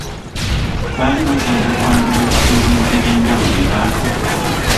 Baali bagenda kwanjula ebintu eby’enjawulo bye batunda.